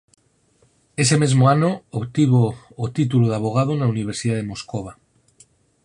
Ese mesmo ano obtivo o título de avogado na Universidade de Moscova.